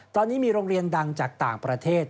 ตอนนี้มีโรงเรียนดังจากต่างประเทศ